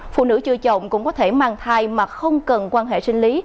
phụ nữ chưa chồng cũng có thể mang thai mà không cần quan hệ sinh lý